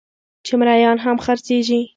چې مريان هم خرڅېږي